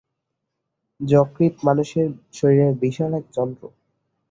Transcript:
যকৃত মানুষের শরীরের বিশাল এক যন্ত্র।